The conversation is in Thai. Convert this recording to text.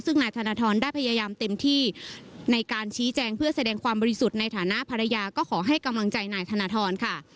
ซึ่งนายธนทรได้พยายามเต็มที่ในการชี้แจงเพื่อแสดงความบริสุทธิ์ในฐานะภรรยาก็ขอให้กำลังใจนายธนทรค่ะ